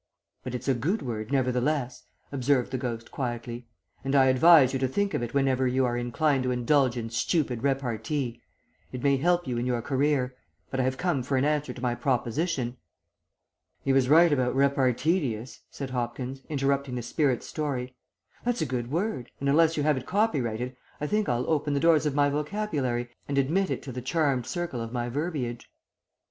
"'But it's a good word, nevertheless,' observed the ghost quietly,' and I advise you to think of it whenever you are inclined to indulge in stupid repartee. It may help you in your career, but I have come for an answer to my proposition.'" "He was right about reparteedious," said Hopkins, interrupting the spirit's story; "that's a good word, and unless you have it copyrighted I think I'll open the doors of my vocabulary and admit it to the charmed circle of my verbiage."